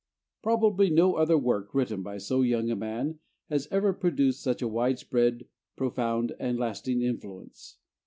Probably no other work written by so young a man has ever produced such a wide spread, profound, and lasting influence.